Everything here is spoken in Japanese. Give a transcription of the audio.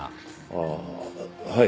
ああはい。